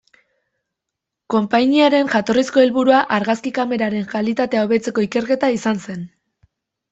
Konpainiaren jatorrizko helburua argazki kameraren kalitatea hobetzeko ikerketa izan zen.